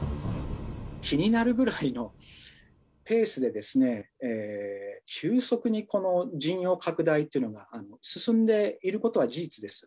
気になるぐらいのペースで、急速に陣容拡大っていうのが進んでいることは事実です。